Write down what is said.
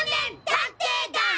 探偵団！